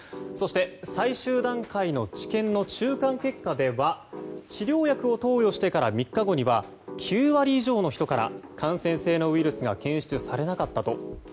そして、最終段階の治験の中間結果では治療薬を投与してから３日後には９割以上の人から感染性のウイルスが検出されなかったと。